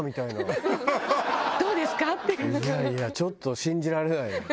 いやいやちょっと信じられない。